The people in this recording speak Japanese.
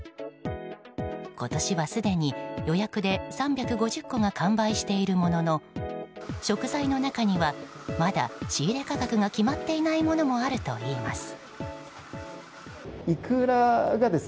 今年はすでに予約で３５０個が完売しているものの食材の中にはまだ仕入れ価格が決まっていないものもあるといいます。